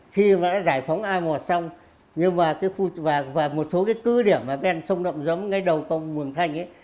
khi đã giải phóng a một xong và một số cứ điểm bên sông động giống ngay đầu tông mường thanh